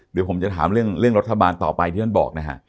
เดี๋ยวผมจะถามเรื่องรัฐบาลต่อไปที่ท่านบอกนะฮะ